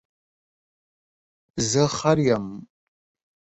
زه خر یم